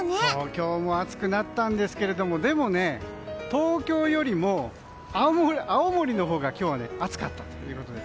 今日も暑くなったんですけどもでもね、東京よりも青森のほうが今日は暑かったということで。